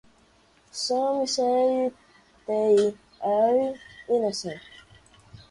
Some say they are innocent.